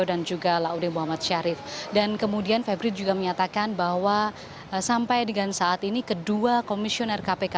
dan kemudian febri juga menyatakan bahwa sampai dengan saat ini kedua komisioner kpk